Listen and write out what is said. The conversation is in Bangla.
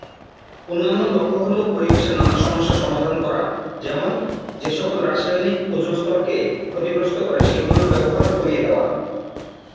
অন্যান্য লক্ষ্য হলো পরিবেশের নানা সমস্যা সমাধান করা, যেমন যেসকল রাসায়নিক ওজোন স্তরকে ক্ষতিগ্রস্ত করে সেগুলোর ব্যবহার কমিয়ে দেয়া।